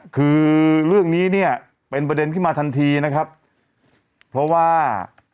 คือเรื่องนี้เนี่ยเป็นประเด็นขึ้นมาทันทีนะครับเพราะว่า